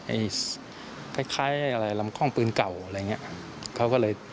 ไอ้คล้ายลำคล่องปืนเก่าอะไรอย่างนี้